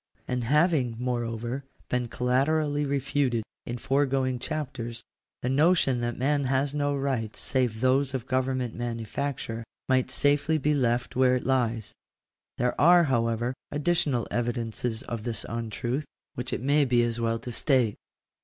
And having, moreover, been collaterally refuted in foregoing chapters, the notion that man has no rights save those of government manufacture, might safely be left where it lies. There are, however, additional evidences of its untruth, which it may be as well to state.